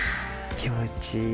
気持ちいい。